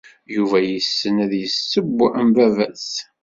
Yuba yessen ad yesseww am baba-s.